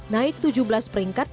naik tujuh belas peringkat